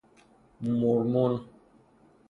مورمون